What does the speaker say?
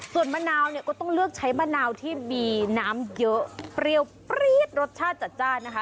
ส่วนมะนาวเนี่ยก็ต้องเลือกใช้มะนาวที่มีน้ำเยอะเปรี้ยวปรี๊ดรสชาติจัดจ้านนะคะ